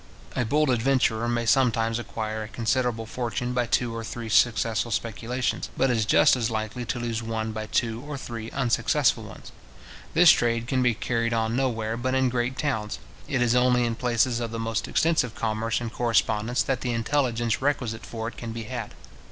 A bold adventurer may sometimes acquire a considerable fortune by two or three successful speculations, but is just as likely to lose one by two or three unsuccessful ones. This trade can be carried on nowhere but in great towns. It is only in places of the most extensive commerce and correspondence that the intelligence requisite for it can be had.